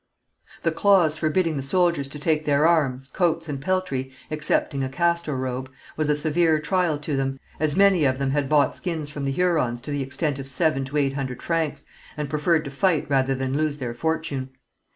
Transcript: The clause forbidding the soldiers to take their arms, coats and peltry, excepting a castor robe, was a severe trial to them, as many of them had bought skins from the Hurons to the extent of seven to eight hundred francs, and preferred to fight rather than lose their fortune.